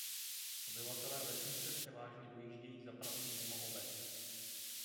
Obyvatelé vesnice převážně dojíždějí za prací mimo obec.